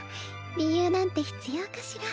理由なんて必要かしら？